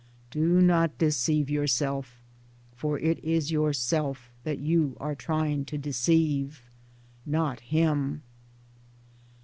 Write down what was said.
Do not deceive yourself — for it is yourself that you are ±* trying to deceive — not Him.